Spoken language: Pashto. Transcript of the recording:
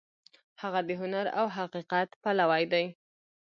هغه د هنر او حقیقت پلوی دی.